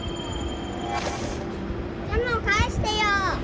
ジャムをかえしてよ！